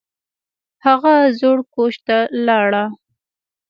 هغه زوړ کوچ ته لاړه